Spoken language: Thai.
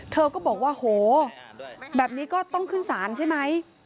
เธอก็บอกว่าโหแบบนี้ก็ต้องขึ้นศาลใช่ไหม